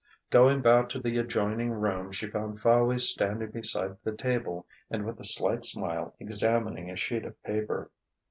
Going back to the adjoining room, she found Fowey standing beside the table and with a slight smile examining a sheet of paper.